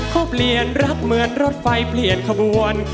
เขาเปลี่ยนรักเหมือนรถไฟเปลี่ยนขบวน